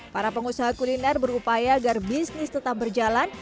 para pengusaha kuliner berupaya agar bisnis tetap berjalan